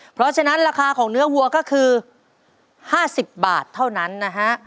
เพราะฉะนั้นราคาของเนื้อวัวก็คือ๕๐บาทเท่านั้นนะฮะ